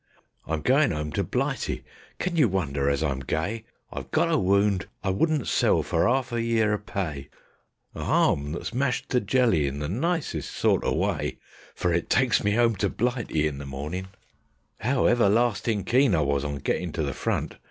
I'm goin' 'ome to Blighty: can you wonder as I'm gay? I've got a wound I wouldn't sell for 'alf a year o' pay; A harm that's mashed to jelly in the nicest sort o' way, For it takes me 'ome to Blighty in the mawnin'. 'Ow everlastin' keen I was on gettin' to the front!